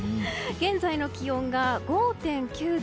現在の気温が５．９度。